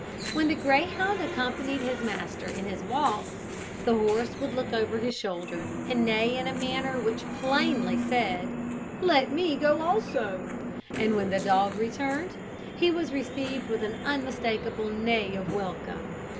When the greyhound accompanied his master in his walks, the horse would look over his shoulder, and neigh in a manner which plainly said, Let me go also; and when the dog returned, he was received with an unmistakable neigh of welcome.